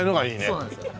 そうなんですよ。